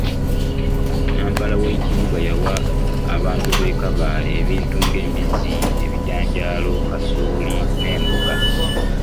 Nnampala w'ekibuga yawa abantu b'e Kabale ebintu nga embizzi, ebijanjaalo, kasooli n'emboga